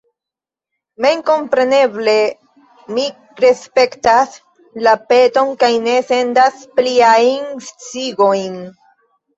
Memkompreneble mi respektas la peton kaj ne sendas pliajn sciigojn.